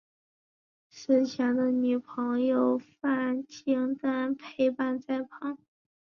死前的女朋友苑琼丹陪伴在旁。